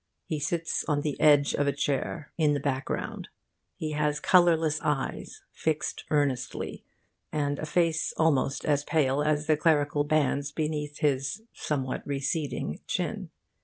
He sits on the edge of a chair in the background. He has colourless eyes, fixed earnestly, and a face almost as pale as the clerical bands beneath his somewhat receding chin.